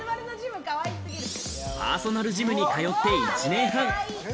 パーソナルジムに通って１年半。